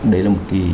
đấy là một